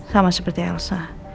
sama seperti elsa